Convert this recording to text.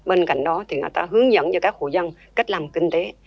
bên cạnh đó thì người ta hướng dẫn cho các hộ dân cách làm kinh tế